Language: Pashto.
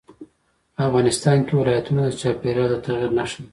افغانستان کې ولایتونه د چاپېریال د تغیر نښه ده.